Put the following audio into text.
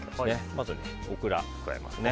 まず、オクラを加えます。